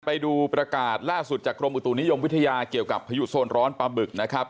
ไปดูประกาศล่าสุดจากกรมอุตุนิยมวิทยาเกี่ยวกับพายุโซนร้อนปลาบึกนะครับ